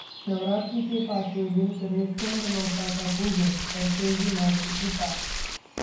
नवरात्रि के पांचवें दिन करें स्कंदमाता का पूजन, बरसेगी मां की कृपा